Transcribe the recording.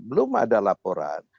belum ada laporan